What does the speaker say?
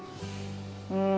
うん。